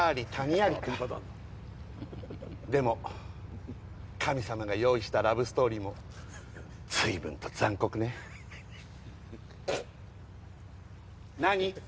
ありかでも神様が用意したラブストーリーもずいぶんと残酷ねプッ何？